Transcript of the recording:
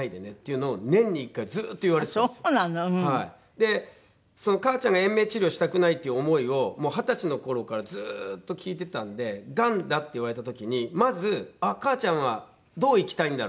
で母ちゃんが延命治療したくないっていう思いを二十歳の頃からずーっと聞いてたんでがんだって言われた時にまず母ちゃんはどう生きたいんだろう。